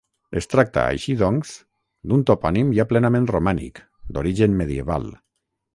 Es tracta, així, doncs, d'un topònim ja plenament romànic, d'origen medieval.